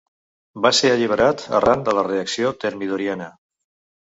Va ser alliberat arran de la reacció termidoriana.